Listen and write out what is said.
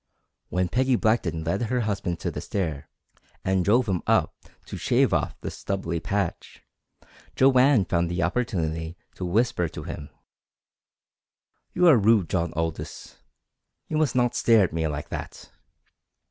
When Peggy Blackton led her husband to the stair, and drove him up to shave off the stubbly patch, Joanne found the opportunity to whisper to him: "You are rude, John Aldous! You must not stare at me like that!"